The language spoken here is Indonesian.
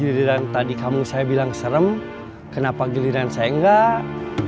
giliran tadi kamu saya bilang serem kenapa giliran saya enggak